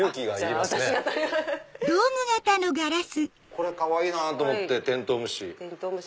これかわいいなと思ってテントウムシ。